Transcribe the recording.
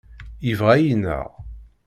Yebɣa ad yennaɣ.